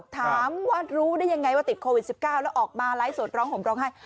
ถามว่ารู้ได้ยังไงว่าติดโควิด๑๙แล้วออกมาไลฟ์สดร้องห่มร้องไห้